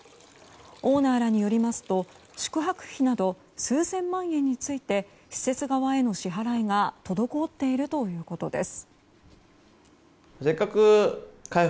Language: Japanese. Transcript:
オーナーらによりますと宿泊費など数千万円について施設側への支払いが滞っているということです。